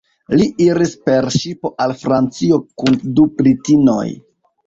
Li iris per ŝipo al Francio kun du britinoj.